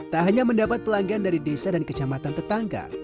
tak hanya mendapat pelanggan dari desa dan kecamatan tetangga